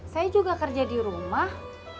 saya juga kerja di rumah